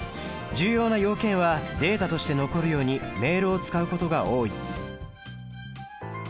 重要な要件はデータとして残るようにメールを使うことが多い。